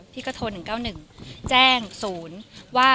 พี่ก็โทร๑๙๑แจ้งศูนย์ว่า